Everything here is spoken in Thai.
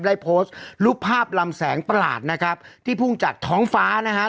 ได้โพสต์รูปภาพลำแสงประหลาดนะครับที่พุ่งจากท้องฟ้านะฮะ